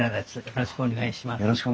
よろしくお願いします。